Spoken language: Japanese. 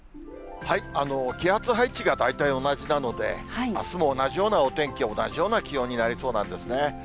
気圧配置が大体同じなので、あすも同じようなお天気、同じような気温になりそうなんですね。